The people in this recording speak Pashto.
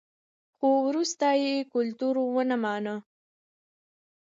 خو وروسته یې کلتور ومانه